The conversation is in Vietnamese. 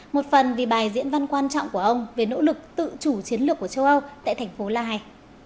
một phần vì bài diễn văn quan trọng của ông về nỗ lực tự chủ chiến lược của châu âu tại thành phố la hay